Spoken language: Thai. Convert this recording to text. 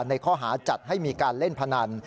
ในข้อหาจัดให้มีการเล่นพนัน